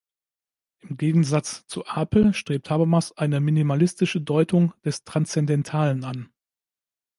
Im Gegensatz zu Apel strebt Habermas eine minimalistische Deutung des Transzendentalen an.